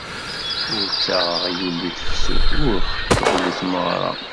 Ur ttaɣ aɣyul deg tefsut, ur xeṭṭeb deg tmeɣra.